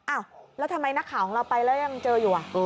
อ้าวแล้วทำไมนักข่าวของเราไปแล้วยังเจออยู่